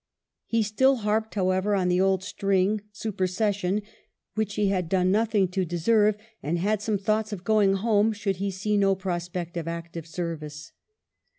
'' He still harped, however, on the old string, supersession, which he had done nothing to deserve, and had some thoughts of going home, should he see no prospect of active service.